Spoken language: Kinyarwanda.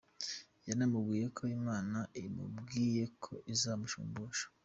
Yanamubwiye ko Imana imubwiye ko izamushumbusha.